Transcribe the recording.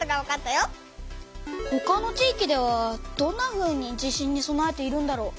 ほかの地域ではどんなふうに地震にそなえているんだろう？